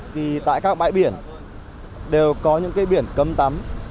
thì tại các bãi biển đều có những cái biển cấm tắm